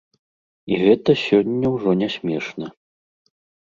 І гэта сёння ўжо не смешна.